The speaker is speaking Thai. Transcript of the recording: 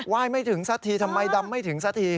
ยไม่ถึงสักทีทำไมดำไม่ถึงสักที